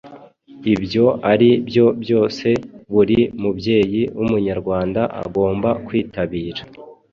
Ibyo ari byo byose buri mubyeyi w’Umunyarwanda agomba kwitabira